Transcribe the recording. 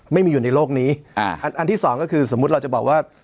ไม่มีอยู่ในโลกนี้อ่าอันอันที่สองก็คือสมมุติเราจะบอกว่า